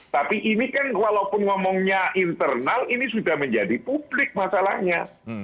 tapi ini kan walaupun ngomongnya internal ini sudah menjadi publik masalahnya